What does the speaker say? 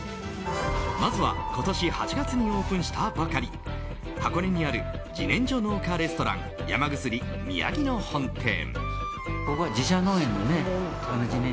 まずは、今年８月にオープンしたばかり箱根にある自然薯農家レストラン、山薬宮城野本店。